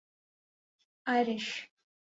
Irish